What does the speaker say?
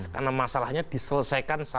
karena masalahnya diselesaikan secara